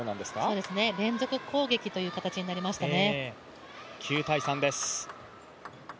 そうですね、連続攻撃という形になりましたね。